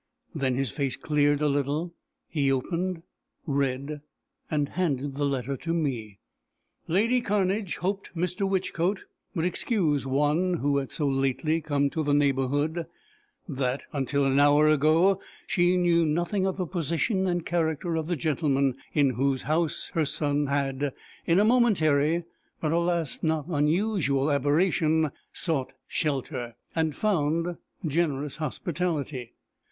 Then his face cleared a little; he opened, read, and handed the letter to me. Lady Cairnedge hoped Mr. Whichcote would excuse one who had so lately come to the neighbourhood, that, until an hour ago, she knew nothing of the position and character of the gentleman in whose house her son had, in a momentary, but, alas! not unusual aberration, sought shelter, and found generous hospitality.